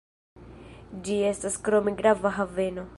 Ĝi estas krome grava haveno.